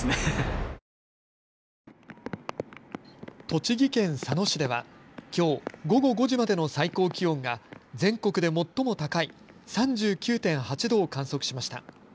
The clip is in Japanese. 栃木県佐野市ではきょう午後５時までの最高気温が全国で最も高い３９．８度を観測しました。